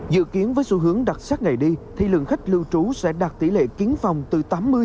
dự kiến với xu hướng đặt sát ngày đi thì lượng khách lưu trú sẽ đạt tỷ lệ kín phòng từ tám mươi chín mươi